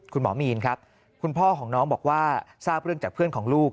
คุณหมอมีนครับคุณพ่อของน้องบอกว่าทราบเรื่องจากเพื่อนของลูก